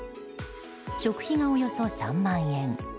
食費がおよそ３万円。